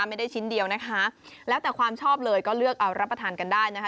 ไม่ได้ชิ้นเดียวนะคะแล้วแต่ความชอบเลยก็เลือกเอารับประทานกันได้นะคะ